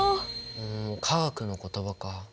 ん化学の言葉か。